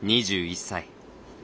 ２１歳。